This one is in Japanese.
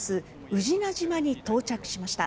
宇品島に到着しました。